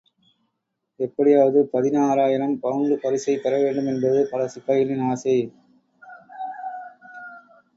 எப்படியாவது பதினாயிரம் பவுண்டு பரிசைப் பெறவேண்டும் என்பதும் பல சிப்பாய்களின் ஆசை.